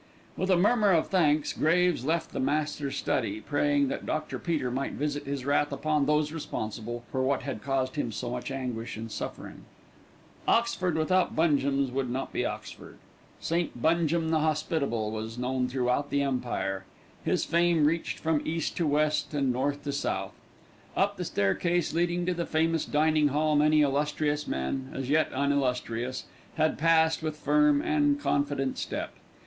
With a murmur of thanks Graves left the Master's study, praying that Dr. Peter might visit his wrath upon those responsible for what had caused him so much anguish and suffering. III Oxford without Bungem's would not be Oxford. "St. Bungem the Hospitable" was known throughout the Empire. His fame reached from east to west and north to south. Up the staircase leading to the famous dining hall many illustrious men, as yet unillustrious, had passed with firm and confident step.